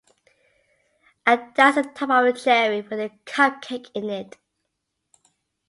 And that's a top of the cherry, with a cupcake in it.